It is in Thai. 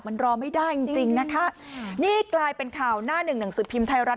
มันรอไม่ได้จริงจริงนะคะนี่กลายเป็นข่าวหน้าหนึ่งหนังสือพิมพ์ไทยรัฐ